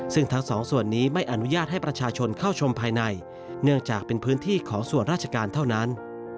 ซึ่งทั้งสองส่วนนี้ไม่อนุญาตให้ประชาชนเข้าชมภายในเนื่องจากเป็นพื้นที่ของส่วนราชการเท่านั้น